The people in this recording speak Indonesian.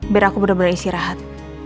biar aku boleh boleh istirahat